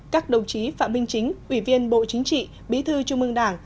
các đồng chí phạm minh chính ủy viên bộ chính trị bí thư trung mương đảng